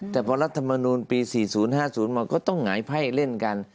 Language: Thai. แต่พอรัฐมนูลปี๔๐๕๐มาก็ต้องหงายไพ่เล่นกัน